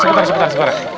cepetan cepetan cepetan